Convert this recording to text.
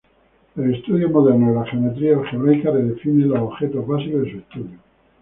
El estudio moderno de la geometría algebraica redefine los objetos básicos de su estudio.